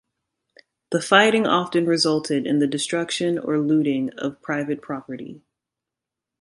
The fighting often resulted in the destruction or looting of private property.